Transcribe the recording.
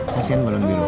kasihkan bolon biru